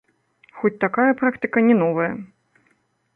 Хоць такая практыка не новая.